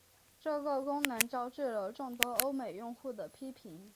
这个功能招致了众多欧美用户的批评。